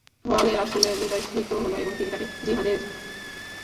ফলে রাসূলের হৃদয় সিক্ত হল এবং তিনি তাকে জিহাদে যাওয়ার অনুমতি প্রদান করলেন।